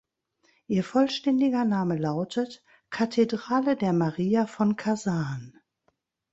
Ihr vollständiger Name lautet „Kathedrale der Maria von Kasan“.